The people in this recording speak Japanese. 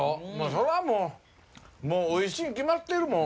そりゃもうおいしいに決まってるもん。